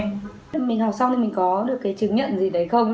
mình học xong thì mình có được cái chứng nhận gì đấy không